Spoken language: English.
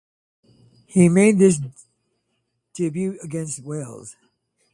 He made his debut against Wales.